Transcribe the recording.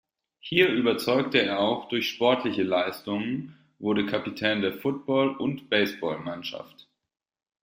Hier überzeugte er auch durch sportliche Leistungen, wurde Kapitän der Football- und Baseball-Mannschaft.